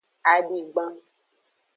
Adigban.